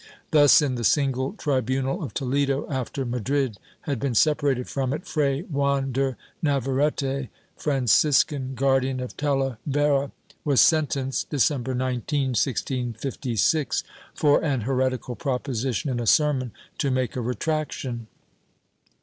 Thus in the single tribunal of Toledo, after Madrid had been separated from it, Fray Juan de Navarrete, Franciscan Guardian of Talavera, was sentenced, December 19, 1656, for an heretical proposition in a sermon, to make a retraction.